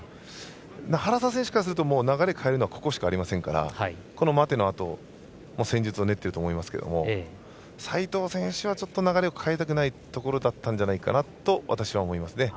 原沢選手からすると流れ変えるのはここしかありませんからこの間というのは戦術を練ってると思いますけど斉藤選手は流れを変えたくないところだったんじゃないかなと私は思います。